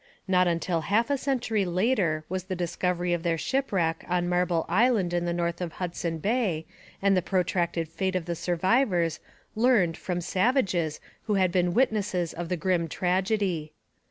Not until half a century later was the story of their shipwreck on Marble Island in the north of Hudson Bay and the protracted fate of the survivors learned from savages who had been witnesses of the grim tragedy.